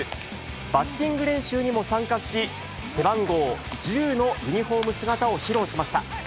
バッティング練習にも参加し、背番号１０のユニホーム姿を披露しました。